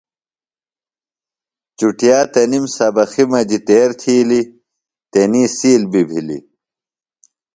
چُٹِیا تنِم سبقی مجیۡ تیر تِھیلیۡ۔ تنی سِیل بیۡ بِھلیۡ۔